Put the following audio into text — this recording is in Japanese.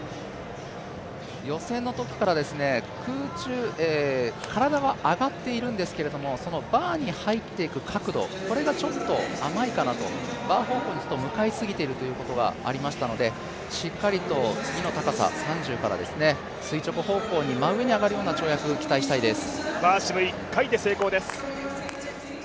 予選のときから体が上がっているんですけれども、そのバーに入っていく角度がちょっと甘いかなと、バー方向に向かい過ぎているということがありましたのでしっかりと次の高さ、３０から垂直方向、真上に上がる跳躍を期待したいです。